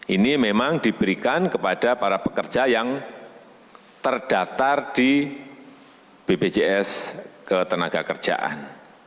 ini memang diberikan kepada para pekerja yang terdaftar di bpjs ketenaga kerjaan